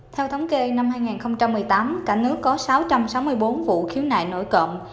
theo thống kê năm hai nghìn một mươi tám cả nước có sáu trăm sáu mươi bốn vụ khiếu nại nổi cộng